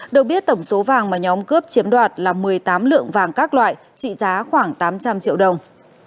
được biết tổng số vàng mà nhóm cướp chiếm đoạt là một mươi tám lượng vàng các loại trị giá khoảng tám trăm linh triệu đồng